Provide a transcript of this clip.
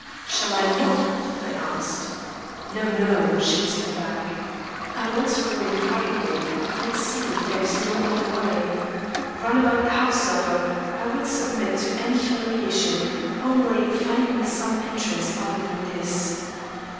"Shall I knock?" I asked. "No, no," she whispered back. "I want to go in quietly; let's see if there's no other way. Run about the house, Zadok; I will submit to any humiliation; only find me some entrance other than this."